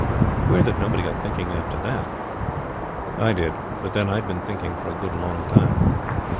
Queer that nobody got thinking after that! I did but, then, I had been thinking for a good long time.